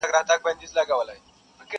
نجلۍ يوازې پرېښودل کيږي او درد لا هم شته.